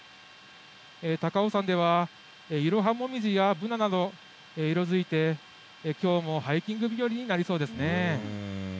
高尾山では、イロハモミジやブナなど、色づいて、きょうもハイキング日和になりそうですね。